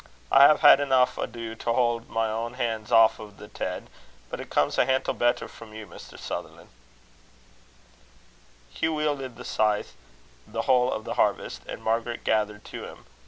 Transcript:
I hae had eneuch ado to haud my ain han's aff o' the ted, but it comes a hantle better frae you, Mr. Sutherlan'." Hugh wielded the scythe the whole of the harvest, and Margaret gathered to him.